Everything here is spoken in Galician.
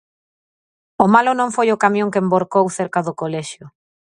O malo non foi o camión que envorcou cerca do colexio.